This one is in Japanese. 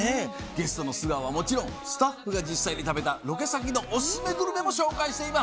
ゲストの素顔はもちろんスタッフが実際に食べたロケ先のオススメグルメも紹介しています。